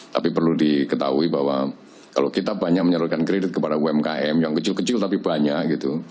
tapi perlu diketahui bahwa kalau kita banyak menyalurkan kredit kepada umkm yang kecil kecil tapi banyak gitu